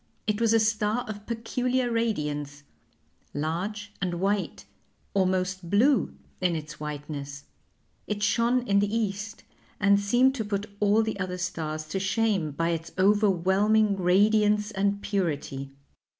It was a star of peculiar radiance, large and white almost blue in its whiteness it shone in the East, and seemed to put all the other stars to shame by its overwhelming radiance and purity.